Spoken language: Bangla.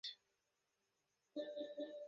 ওহ, ঠিক আছে!